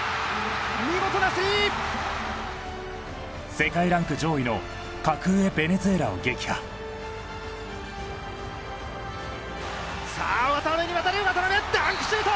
見事なスリー世界ランク上位の格上ベネズエラを撃破さあ渡邊に渡る渡邊ダンクシュート！